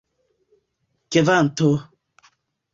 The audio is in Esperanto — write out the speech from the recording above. kvanto